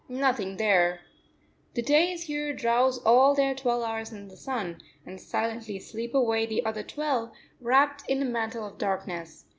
Nothing there!" The days here drowse all their twelve hours in the sun, and silently sleep away the other twelve, wrapped in the mantle of darkness.